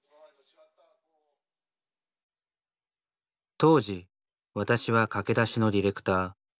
当時私は駆け出しのディレクター。